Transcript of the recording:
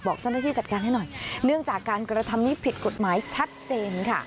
บอกเจ้าหน้าที่จัดการให้หน่อยเนื่องจากการกระทำนี้ผิดกฎหมายชัดเจนค่ะ